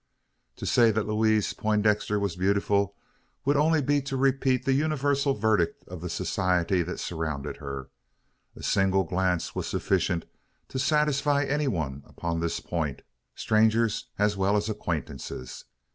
To say that Louise Poindexter was beautiful, would only be to repeat the universal verdict of the society that surrounded her. A single glance was sufficient to satisfy any one upon this point strangers as well as acquaintances.